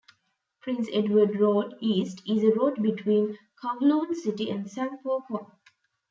Prince Edward Road East is a road between Kowloon City and San Po Kong.